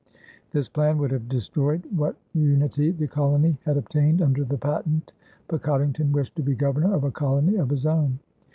This plan would have destroyed what unity the colony had obtained under the patent, but Coddington wished to be governor of a colony of his own.